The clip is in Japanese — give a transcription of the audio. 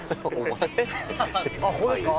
あっここですか？